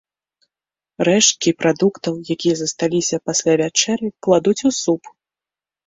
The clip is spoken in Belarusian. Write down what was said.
Рэшткі прадуктаў, якія засталіся пасля вячэры, кладуць у суп.